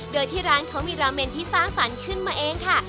โดยที่ร้านเขามีราเมนที่สร้างสรรค์ขึ้นมาเองค่ะ